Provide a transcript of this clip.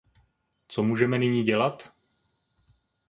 Co můžeme nyní dělat?